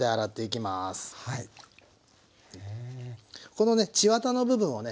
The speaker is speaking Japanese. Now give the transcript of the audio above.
このね血わたの部分をね